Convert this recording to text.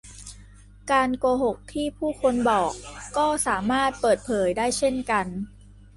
การโกหกที่ผู้คนบอกก็สามารถเปิดเผยได้เช่นกัน